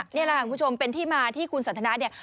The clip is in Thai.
นี่แหละคุณผู้ชมเป็นที่มาที่คุณสันทนาเนี่ย